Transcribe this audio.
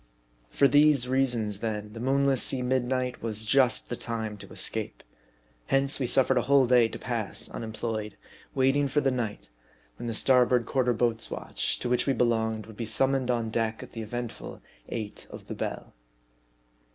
For these reasons then, the moonless sea midnight was just the time to escape. Hence, we suffered a whole day to pass unemployed ; waiting for the night, when the star MARDI. 37 board quarter boats' watch, to which we belonged, would be summoned on deck at the eventful eight of the bell.